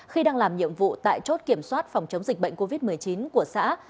khi đang làm nhiệm vụ tại chốt kiểm soát phòng chống dịch bệnh covid một mươi chín của xã